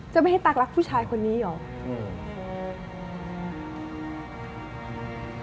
ไม่ให้ตั๊กรักผู้ชายคนนี้เหรอ